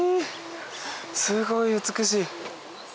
すごい美しい。